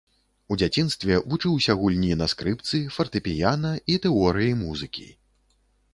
У дзяцінстве вучыўся гульні на скрыпцы, фартэпіяна і тэорыі музыкі.